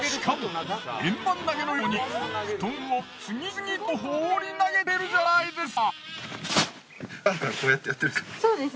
しかも円盤投げのように布団を次々と放り投げてるじゃないですか。